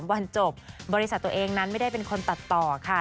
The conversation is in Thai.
วันจบบริษัทตัวเองนั้นไม่ได้เป็นคนตัดต่อค่ะ